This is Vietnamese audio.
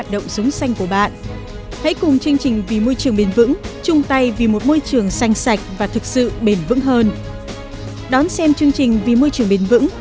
đón xem chương trình vì môi trường bền vững